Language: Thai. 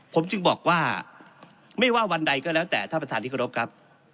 ผมจึงบอกว่าไม่ว่าวันใดก็แล้วแต่ท่านประธานที่เคารพครับ